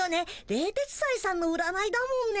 冷徹斎さんの占いだもんね。